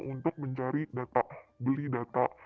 untuk mencari data beli data